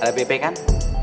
ada bp kan